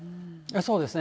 そうですね。